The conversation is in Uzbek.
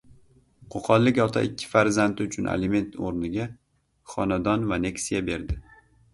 Qo‘qonlik ota ikki farzandi uchun aliment o‘rniga xonadon va Nexia berdi